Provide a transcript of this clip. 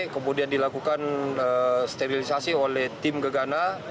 kemudian dilakukan sterilisasi oleh tim gegana